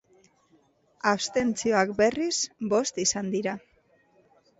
Abstentzioak, berriz, bost izan dira.